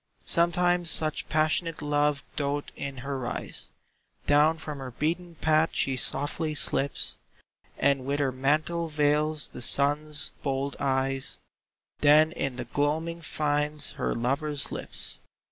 Sometimes such passionate love doth in her rise, Down from her beaten path she softly slips, And with her mantle veils the Sun's bold eyes, Then in the gloaming finds her lover's lips.